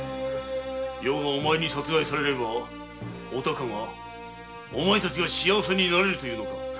余がお前に殺害されればお孝がお前たちが幸せになれるというのか。